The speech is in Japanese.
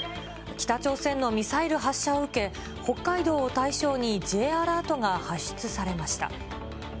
北朝鮮のミサイル発射を受け、北海道を対象にＪアラートが発出されました。